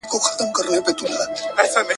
که هڅه وي نو بریالی یې.